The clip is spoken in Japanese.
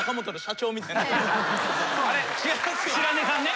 白根さんね。